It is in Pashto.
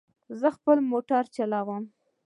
زه خپل موټر چلوم